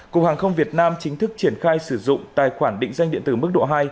cục hàng không việt nam chính thức triển khai sử dụng tài khoản định danh điện tử mức độ hai